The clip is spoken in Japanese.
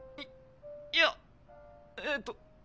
いいやえっと。